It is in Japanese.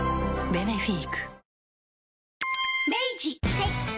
はい。